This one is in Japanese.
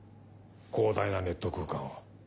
広大なネット空間を。